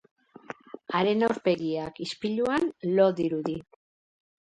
Haren aurpegiak, ispiluan, lo dirudi.